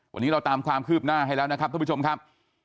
วันนี้เราตามความคืบหน้าให้แล้วนะครับท่านผู้ชมครับ